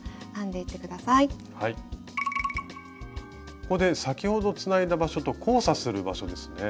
ここで先ほどつないだ場所と交差する場所ですね。